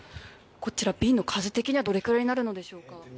瓶の数的にはどれくらいになるんでしょう。